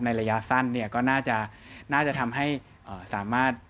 ระยะสั้นเนี่ยก็น่าจะทำให้สามารถ